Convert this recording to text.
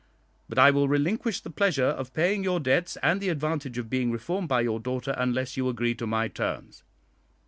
But I will relinquish the pleasure of paying your debts, and the advantage of being reformed by your daughter, unless you agree to my terms."